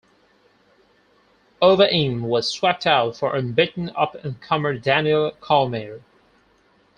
Overeem was swapped out for unbeaten up-and-comer Daniel Cormier.